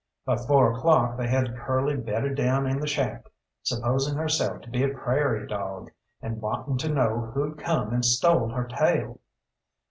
By four o'clock they had Curly bedded down in the shack, supposing herself to be a prairie dog, and wanting to know who'd come and stole her tail.